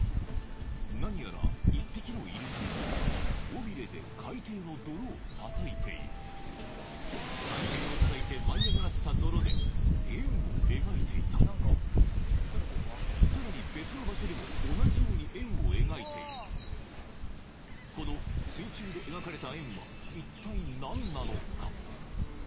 何やら１匹のイルカが尾びれで海底の泥を叩いている海底を叩いて舞い上がらせた泥で円を描いていたさらに別の場所でも同じように円を描いているこの水中で描かれた円は一体何なのか？